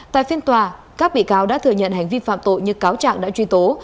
tại phiên tòa các bị cáo đã thừa nhận hành vi phạm tội như cáo trạng đã truy tố